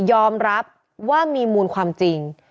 ยอมรับว่ามีมูลความจริง